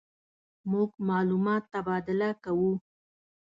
مونږ معلومات تبادله کوو.